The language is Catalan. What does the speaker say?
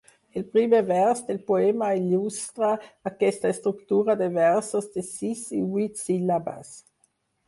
El primer vers del poema il·lustra aquesta estructura de versos de sis i vuit síl·labes.